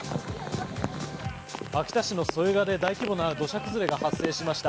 秋田市の添川で大規模な土砂崩れが発生しました。